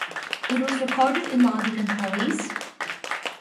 It was recorded in London and Paris.